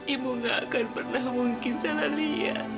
ibu gak akan pernah mungkin salah liat